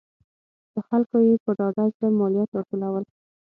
له خلکو یې په ډاډه زړه مالیات راټولول